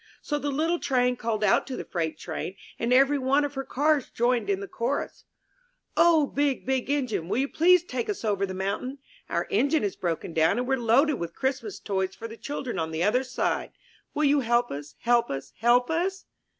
So the little Train called out to the Freight Engine and every one of her Cars joined in the chorus: 195 MY BOOK HOUSE 0 Big, Big Engine, will you please take us over the mountain? Our engine has broken down, and we're loaded with Christmas toys for the children on the other side. Will you help us, help us, help us?